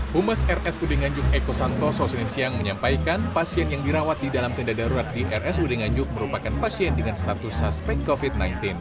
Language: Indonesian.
humas rs udinganjung eko santo sosinit siang menyampaikan pasien yang dirawat di dalam tenda darurat di rs udinganjung merupakan pasien dengan status suspek covid sembilan belas